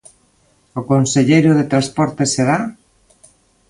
O conselleiro de Transportes será...